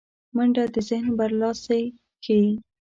منډه د ذهن برلاسی ښيي